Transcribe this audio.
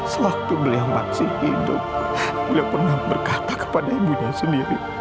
sewaktu beliau masih hidup beliau pernah berkata kepada ibunya sendiri